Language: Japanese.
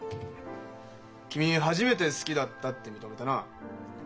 君初めて「好きだった」って認めたな。